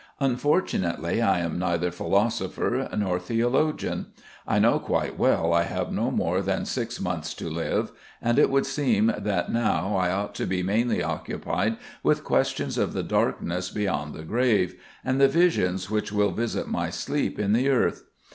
Unfortunately, I am neither philosopher nor theologian. I know quite well I have no more than six months to live; and it would seem that now I ought to be mainly occupied with questions of the darkness beyond the grave, and the visions which will visit my sleep in the earth.